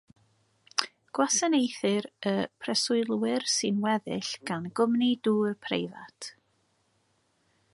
Gwasanaethir y preswylwyr sy'n weddill gan gwmni dŵr preifat.